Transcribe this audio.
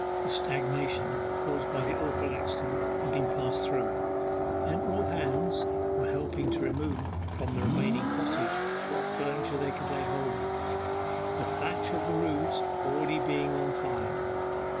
The stagnation caused by the awful accident had been passed through, and all hands were helping to remove from the remaining cottage what furniture they could lay hold of; the thatch of the roofs being already on fire.